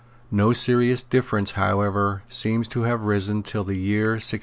No serious difference however seems to have arisen till the year 1692.